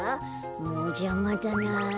もうじゃまだなあ。